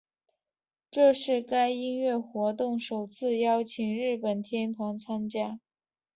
这是该音乐活动首次邀请日本乐团参加。